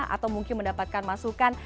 atau mungkin mendapatkan masukan